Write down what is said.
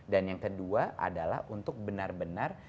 yang kedua adalah untuk benar benar